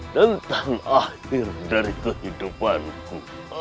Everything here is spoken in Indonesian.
tentang akhir dari kehidupanku